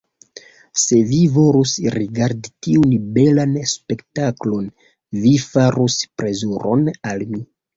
Se vi volus rigardi tiun belan spektaklon, vi farus plezuron al mi.